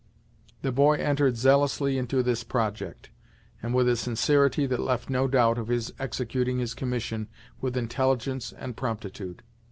The boy entered zealously into this project, and with a sincerity that left no doubt of his executing his commission with intelligence and promptitude.